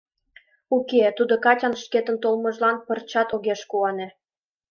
Уке, тудо Катян шкетын толмыжлан пырчат огеш куане.